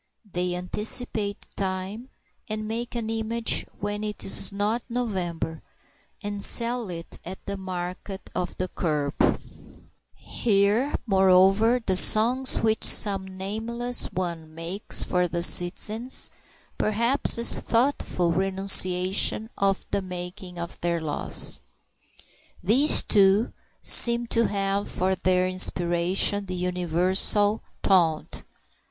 They anticipate time, and make an image when it is not November, and sell it at the market of the kerb. Hear, moreover, the songs which some nameless one makes for the citizens, perhaps in thoughtful renunciation of the making of their laws. These, too, seem to have for their inspiration the universal taunt.